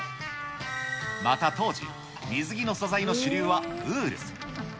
また当時、水着の素材の主流はウール。